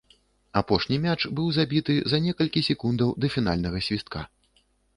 Апошні мяч быў забіты за некалькі секундаў да фінальнага свістка.